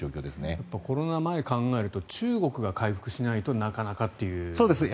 やっぱりコロナ前を考えると中国が回復しないとなかなかということですね。